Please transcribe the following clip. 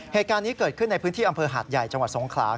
เหตุการณ์นี้เกิดขึ้นในพื้นที่อำเภอหาดใหญ่จังหวัดสงขลา